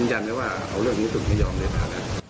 คุณยืนยันว่าเอาเรื่องนี้สุดไม่ยอมเลยครับ